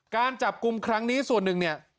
การจับกลุ่มครั้งนี้ส่วนหนึ่งเนี่ย